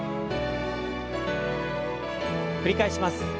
繰り返します。